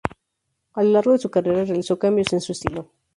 A lo largo de su carrera, realizó cambios en su estilo.